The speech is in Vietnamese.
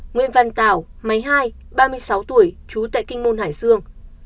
nguyễn văn tảo máy hai ba mươi sáu tuổi trú tại kinh môn hải dương